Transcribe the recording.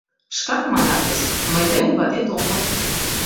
— Шкак манатыс: «Мый тыйын ватет омыл...»